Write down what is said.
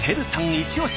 イチオシ